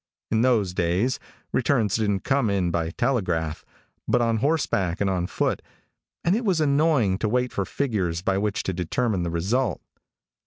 In those days returns didn't come in by telegraph, but on horseback and on foot, and it was annoying to wait for figures by which to determine the result.